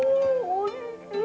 おいしい！